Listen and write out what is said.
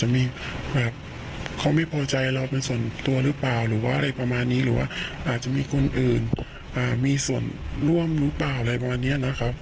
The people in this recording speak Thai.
มีปัญหากันบ้างอะไรประมาณนี้